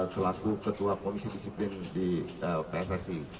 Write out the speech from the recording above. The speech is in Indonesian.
selaku ketua komisi disiplin di pssi